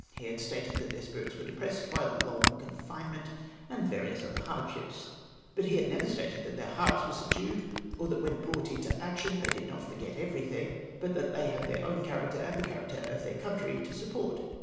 He had stated that their spirits were depressed by longc onfinement and various other hardships, but he had never stated that their hearts were subdued, or tliat Avhen brought into action they did not forget everything, but tliat they had tlieir own character and the character of their country to support.